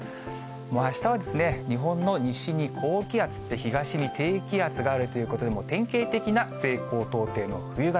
あしたはですね、日本の西に高気圧、東に低気圧があるということで、典型的な西高東低の冬型。